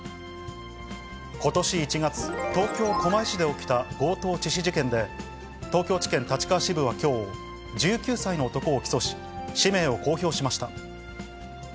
ことし１月、東京・狛江市で起きた強盗致死事件で、東京地検立川支部はきょう、１９歳の男を起訴し、氏名を公表しました。